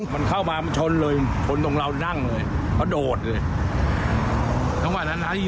มันเข้ามามันชนเลยคนตรงเรานั่งเลยเขาโดดเลย